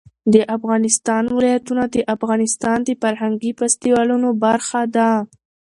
د افغانستان ولايتونه د افغانستان د فرهنګي فستیوالونو برخه ده.